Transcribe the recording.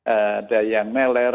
ada yang meler